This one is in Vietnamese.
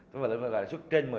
lợi nhuận trên một mươi